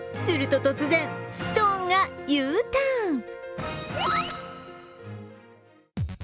すると突然、ストーンがＵターン。